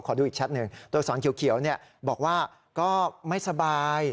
ขอดูอีกใช้นึงตัวอักษรเขียวเนี่ยบอกว่าก็ไม่สบาย